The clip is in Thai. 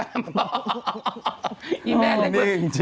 มันบอกไอ้แม่เล่นกู